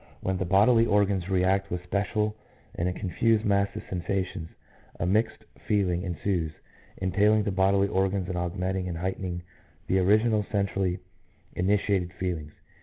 When the bodily organs react with special and a confused mass of sensations, a mixed feeling ensues, entailing the bodily organs and augmenting and heightening the original centrally initiated feelings.